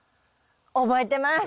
覚えてます！